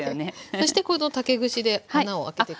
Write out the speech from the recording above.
そしてこの竹串で穴を開けていくんですね。